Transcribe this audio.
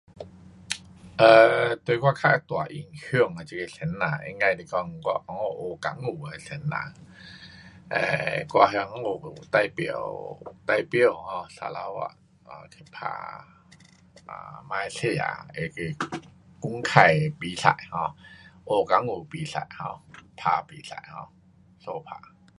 um 对我较大影响的这个先生应该是讲我才学功夫的先生，um 我温故代表，代表 [um]sarawak[um] 去打马来西亚那个公开的比赛 um，学功夫比赛 um，打比赛 um，相打